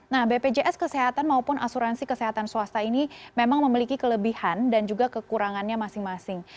nah bpjs kesehatan maupun asuransi kesehatan swasta ini memang memiliki kelebihan dan juga kekurangannya masing masing